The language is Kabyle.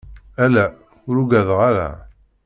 Ala, ur ugadeɣ ara.